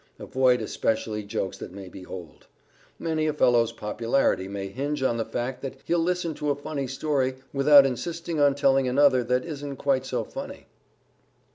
Avoid especially jokes that may be old. Many a fellow's popularity may hinge on the fact that he'll listen to a funny story without insisting on telling another that isn't quite so funny.